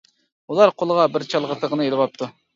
ئۇلار قولىغا بىر چالغا تىغىنى ئېلىۋاپتۇ.